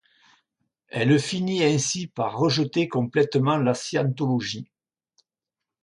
Elle finit ainsi par rejeter complètement la scientologie.